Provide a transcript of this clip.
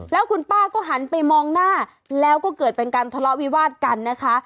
แล้วคุณป้าก็หันไปมองหน้าแล้วก็เกิดเป็นการทะเลาะวิวาดกันนะคะ